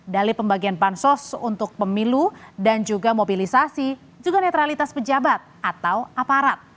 dali pembagian bansos untuk pemilu dan juga mobilisasi juga netralitas pejabat atau aparat